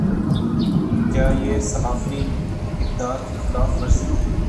کیا یہ صحافی اقدار کی خلاف ورزی نہیں۔